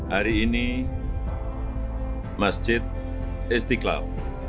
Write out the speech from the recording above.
hari ini masjid istiqlal